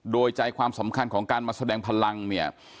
โดยใจความสำคัญของการมาแสดงพลังเนี่ย